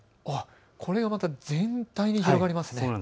これはまた全体に広がりますね。